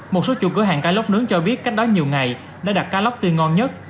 một số chủ cửa hàng cá lóc nướng cho biết cách đó nhiều ngày đã đặt cá lóc tươi ngon nhất